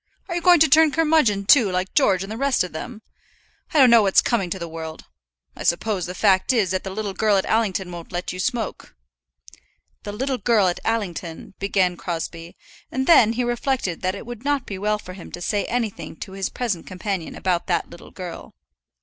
Are you going to turn curmudgeon, too, like George and the rest of them? I don't know what's coming to the world! I suppose the fact is, that little girl at Allington won't let you smoke." "The little girl at Allington " began Crosbie; and then he reflected that it would not be well for him to say anything to his present companion about that little girl.